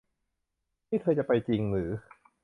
นี่เธอจะไปจริงหรือ